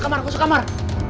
kau masuk kamar